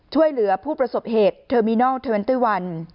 ช่วยเหลือผู้ประสบเหตุเทอร์มีนอล๒๑